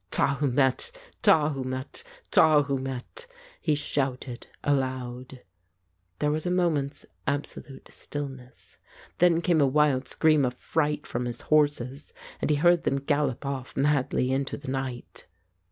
"Tahu met, Tahu met, Tahu met," he shouted aloud. There was a moment's absolute stillness; then came a wild scream of fright from his horses, and he heard them gallop off madly into the night.